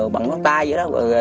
bằng móng tay vậy đó